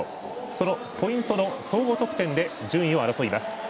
そのポイントの総合得点で順位を争います。